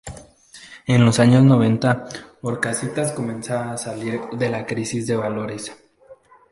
En los años noventa Orcasitas comienza a salir de la crisis de valores.